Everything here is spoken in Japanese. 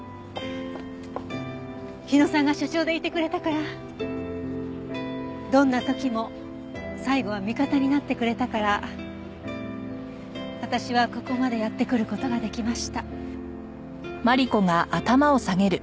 日野さんが所長でいてくれたからどんな時も最後は味方になってくれたから私はここまでやってくる事ができました。